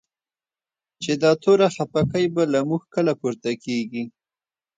چی دا توره خپکی به؛ له موږ کله پورته کیږی